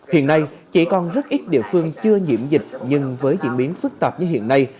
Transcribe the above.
hiện nay chỉ còn rất ít địa phương chưa nhiễm dịch nhưng với diễn biến phức tạp như hiện nay